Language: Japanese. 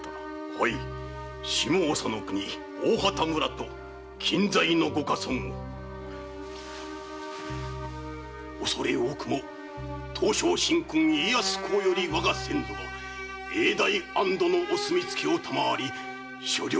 はい下総の国・大畑村と近在の五か村を恐れ多くも東照神君・家康公より我が先祖が永代安堵のお墨付きを賜り所領いたしてございます。